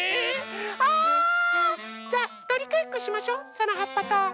あじゃあとりかえっこしましょうそのはっぱと。ね？